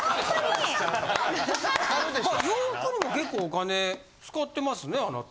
洋服にも結構お金使ってますねあなた。